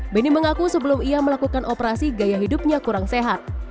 beni mengaku sebelum ia melakukan operasi gaya hidupnya kurang sehat